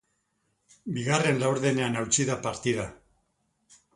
Bigarren laurdenean hautsi da partida.